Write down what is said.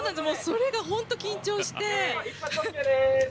それが本当に緊張して。